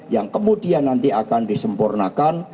yang kemudian nanti akan disempurnakan